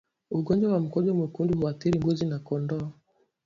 Ugonjwa wa mkojo mwekundu huathiri mbuzi na kondoo